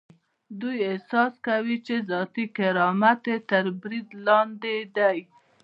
دوی احساس کوي چې ذاتي کرامت یې تر برید لاندې دی.